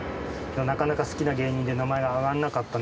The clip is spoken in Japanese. なかなか好きな芸人で名前が挙がらなかったので。